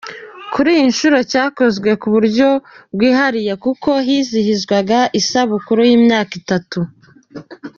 Kuri iyi nshuro cyakozwe mu buryo bwihariye kuko hizihizwaga isabukuru y’imyaka itatu.